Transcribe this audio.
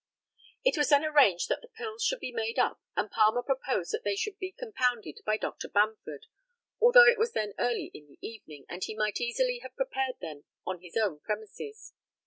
It was then arranged that the pills should be made up, and Palmer proposed that they should be compounded by Dr. Bamford, although it was then early in the evening, and he might easily have prepared them on his own premises.